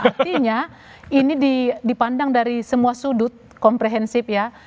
artinya ini dipandang dari semua sudut komprehensif ya